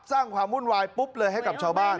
สร้างความวุ่นวายปุ๊บเลยให้กับชาวบ้าน